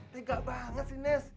tiga banget sih nes